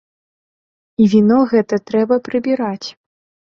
І віно гэта трэба прыбіраць.